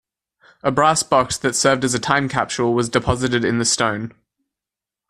A brass box that served as a time capsule was deposited in the stone.